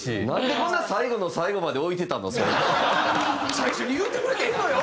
最初に言うてくれてええのよ？